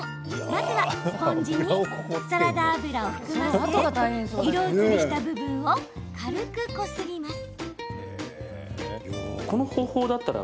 まずはスポンジにサラダ油を含ませ色移りした部分を軽くこすります。